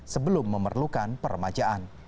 sebelum memerlukan permajaan